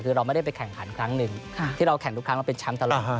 คือเราไม่ได้ไปแข่งขันครั้งหนึ่งที่เราแข่งทุกครั้งเราเป็นแชมป์ตลอด